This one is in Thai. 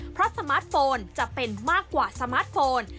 เพราะสมาร์ทโฟนจะเป็นมากกว่าสมาร์ทโฟน